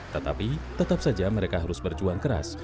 tetapi tetap saja mereka harus berjuang keras